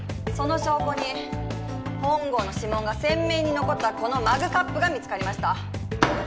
その証拠に本郷の指紋が鮮明に残ったこのマグカップが見つかりました。